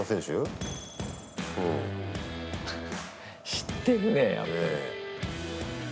知ってるね、やっぱり。